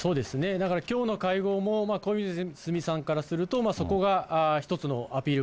だからきょうの会合も小泉さんからすると、そこが１つのアピール